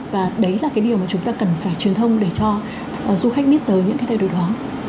và đấy là cái điều mà chúng ta cần phải truyền thông để cho du khách biết tới những cái thay đổi đó